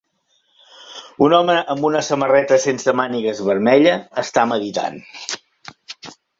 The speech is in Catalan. Un home amb una samarreta sense mànigues vermella està meditant.